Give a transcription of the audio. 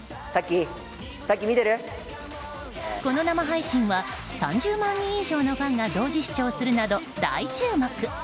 この生配信は３０万人以上のファンが同時視聴するなど大注目。